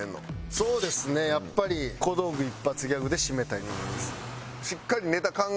そうですねやっぱり小道具一発ギャグでシメたいと思います。